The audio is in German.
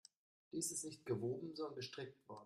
Dies ist nicht gewoben, sondern gestrickt worden.